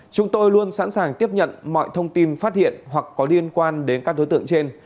chúng tôi luôn sẵn sàng tiếp nhận mọi thông tin phát hiện hoặc có liên quan đến các đối tượng trên